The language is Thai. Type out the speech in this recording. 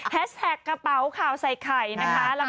แท็กกระเป๋าข่าวใส่ไข่นะคะ